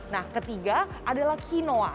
nah ketiga adalah quinoa